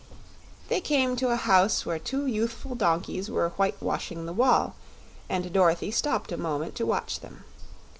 They came to a house where two youthful donkeys were whitewashing the wall, and Dorothy stopped a moment to watch them.